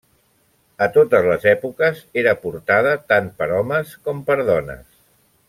A totes les èpoques era portada tant per homes com per dones.